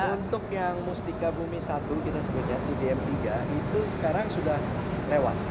untuk yang mustika bumi satu kita sebutnya tbm tiga itu sekarang sudah lewat